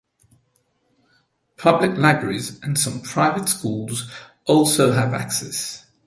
Public libraries and some private schools also have access.